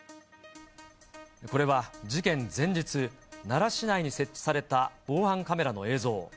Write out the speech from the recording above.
これは事件前日、奈良市内に設置された防犯カメラの映像。